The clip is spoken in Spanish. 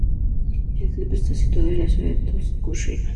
El club está situado en la ciudad de Tokushima.